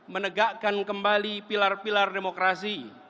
menegakkan kembali pilar pilar demokrasi